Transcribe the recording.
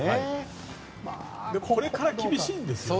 これから厳しいんですよね